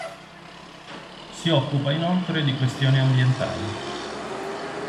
Si occupa inoltre di questioni ambientali.